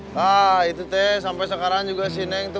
nah itu teh sampe sekarang juga si neng tuh